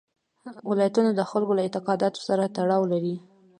ولایتونه د خلکو له اعتقاداتو سره تړاو لري.